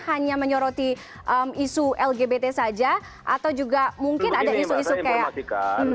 hanya menyoroti isu lgbt saja atau juga mungkin ada isu isu kayak